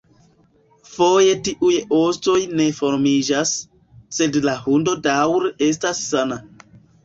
Foje tiuj ostoj ne fermiĝas, sed la hundo daŭre estas sana.